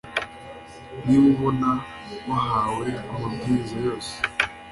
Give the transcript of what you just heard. Niba ubona ko wahawe amabwiriza yose